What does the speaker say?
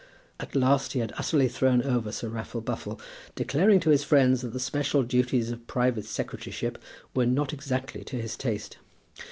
At last he had utterly thrown over Sir Raffle Buffle, declaring to his friends that the special duties of private secretaryship were not exactly to his taste.